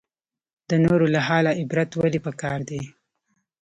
د نورو له حاله عبرت ولې پکار دی؟